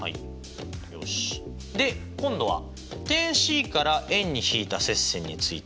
で今度は点Ｃから円にひいた接線について。